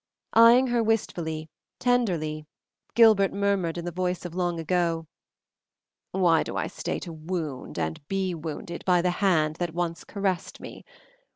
Eyeing her wistfully, tenderly, Gilbert murmured, in the voice of long ago, "Why do I stay to wound and to be wounded by the hand that once caressed me?